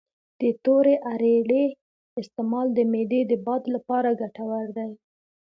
د تورې اریړې استعمال د معدې د باد لپاره ګټور دی